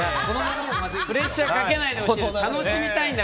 プレッシャーかけないでほしい。